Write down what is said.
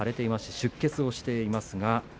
出血しています。